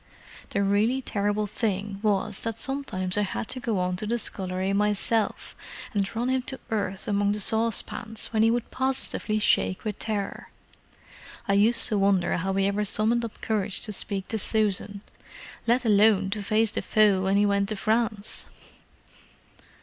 The really terrible thing was that sometimes I had to go on to the scullery myself, and run him to earth among the saucepans, when he would positively shake with terror. I used to wonder how he ever summoned up courage to speak to Susan, let alone to face the foe when he went to France!"